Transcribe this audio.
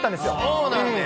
そうなんです。